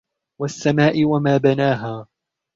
وَالسَّمَاءِ وَمَا بَنَاهَا